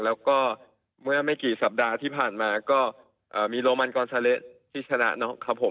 แล้วก็เมื่อไม่กี่สัปดาห์ที่ผ่านมาก็มีโรมันกรชาเละที่ชนะครับผม